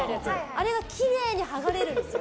あれがきれいにはがれるんですよ。